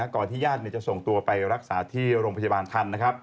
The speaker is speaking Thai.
ก่อนที่ญาติจะส่งตัวไปรักษาที่โรงพยาบาลทัน